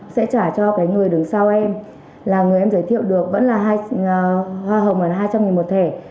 sẽ trả cho người đứng sau em là người em giới thiệu được vẫn là hoa hồng là hai trăm linh một thẻ